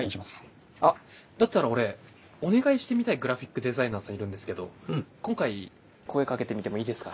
あだったら俺お願いしてみたいグラフィックデザイナーさんいるんですけど今回声かけてみてもいいですか？